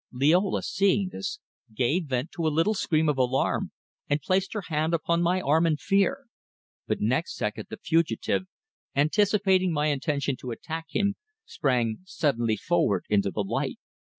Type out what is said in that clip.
Liola, seeing this, gave vent to a little scream of alarm and placed her hand upon my arm in fear, but next second the fugitive, anticipating my intention to attack him, sprang suddenly forward into the light.